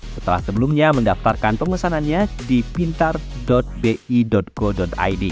setelah sebelumnya mendaftarkan pemesanannya di pintar bi co id